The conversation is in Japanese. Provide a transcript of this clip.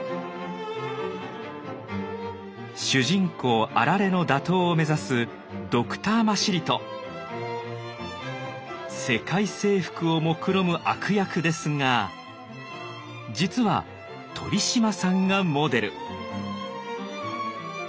主人公アラレの打倒を目指す世界征服をもくろむ悪役ですが実は鳥嶋さんがモデル。